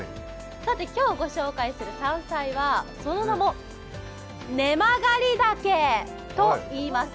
今日ご紹介する山菜は、その名もネマガリダケといいます。